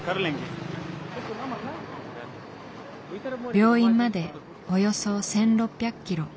病院までおよそ１，６００ｋｍ。